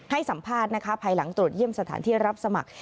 ให้สัมภาษณ์นะคะภายหลังตรวจเยี่ยมสถานที่รับสมัคร